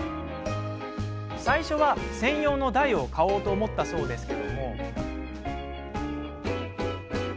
最初は専用の台を買おうと思ったそうですが。